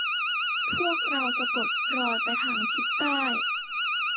พวกเราสะกดรอยไปทางทิศใต้